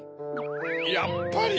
やっぱり！